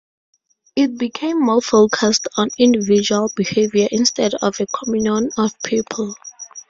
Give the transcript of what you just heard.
It became more focused on individual behavior instead of a communion of people.